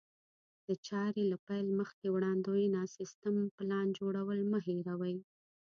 د چارې له پيل مخکې وړاندوینه، سيستم، پلان جوړول مه هېروئ.